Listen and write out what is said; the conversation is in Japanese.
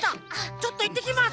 ちょっといってきます！